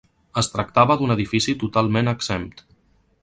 Es tractava d'un edifici totalment exempt.